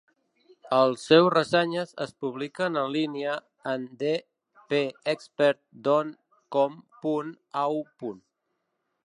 Els seus ressenyes es publiquen en línia en dpexpert dot com.au.